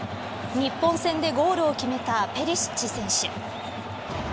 日本戦でゴールを決めたペリシッチ選手。